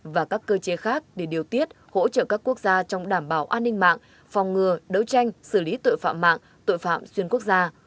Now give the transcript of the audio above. và các cơ chế khác để điều tiết hỗ trợ các quốc gia trong đảm bảo an ninh mạng phòng ngừa đấu tranh xử lý tội phạm mạng tội phạm xuyên quốc gia